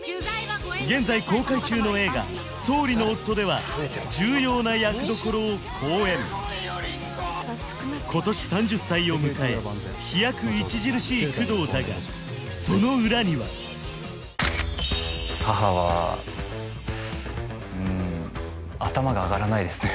現在公開中の映画「総理の夫」では重要な役どころを好演今年３０歳を迎え飛躍著しい工藤だがその裏には母はうん頭が上がらないですね